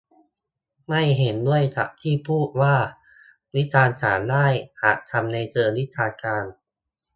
ไม่เห็นด้วยกับที่พูดว่า วิจารณ์ศาลได้หากทำในเชิงวิชาการ